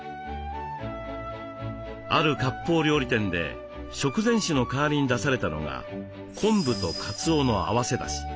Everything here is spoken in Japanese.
ある割烹料理店で食前酒の代わりに出されたのが昆布とかつおの合わせだし。